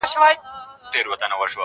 كه خپلوې مي نو در خپل مي كړه زړكيه زما,